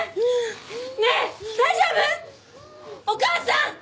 お母さん！